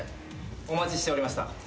お待ちしておりました。